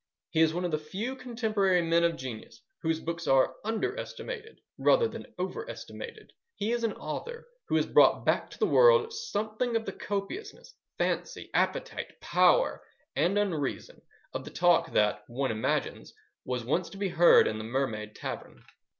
He is one of the few contemporary men of genius whose books are under estimated rather than over estimated. He is an author who has brought back to the world something of the copiousness, fancy, appetite, power, and unreason of the talk that, one imagines, was once to be heard in the Mermaid Tavern.